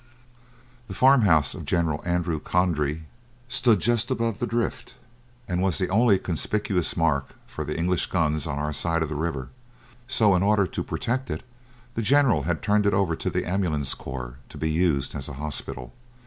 The farm house of General Andrew Cronje stood just above the drift and was the only conspicuous mark for the English guns on our side of the river, so in order to protect it the general had turned it over to the ambulance corps to be used as a hospital.